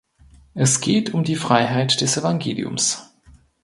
Es geht um die Freiheit des Evangeliums.